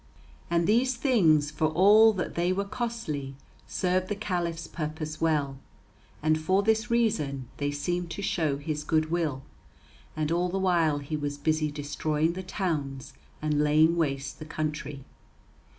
And these things, for all that they were costly, served the Caliph's purpose well, and for this reason, they seemed to show his good will, and all the while he was busy destroying the towns and laying waste the country.